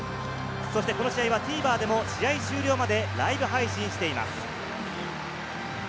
そして、この試合はＴＶｅｒでも試合終了までライブ配信しています。